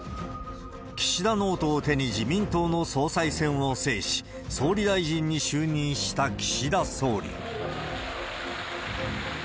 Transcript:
岸田ノートを手に、自民党の総裁選を制し、総理大臣に就任した岸田総理。